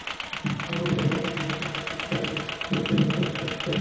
বাংলাদেশি বংশোদ্ভূত সালমান খানের ওয়েবসাইট গোটা দুনিয়ায় দূরশিক্ষণে নতুন মাত্রা যোগ করেছে।